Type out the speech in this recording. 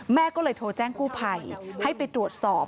แม่ก็เลยโทรแจ้งกู้ภัยให้ไปตรวจสอบ